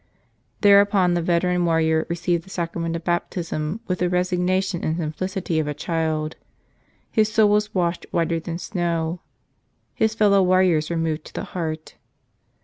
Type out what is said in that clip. Thereupon the veteran warrior received the Sacra¬ ment of Baptism with the resignation and simplicity of a child. His soul was washed whiter than snow. His fellow warriors were moved to the heart.